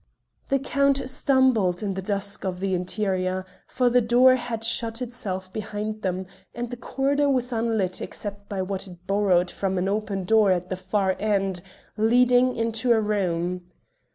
The Count stumbled in the dusk of the interior, for the door had shut of itself behind them, and the corridor was unlit except by what it borrowed from an open door at the far end, leading into a room.